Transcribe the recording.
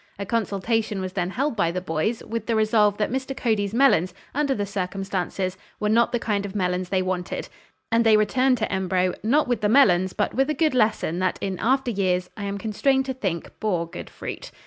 A consultation was then held by the boys, with the resolve that Mr. Cody's melons, under the circumstances, were not the kind of melons they wanted, and they returned to Embro, not with the melons, but with a good lesson that in after years, I am constrained to think, bore good fruit.